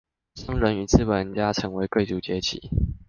商人和資本家成為貴族階級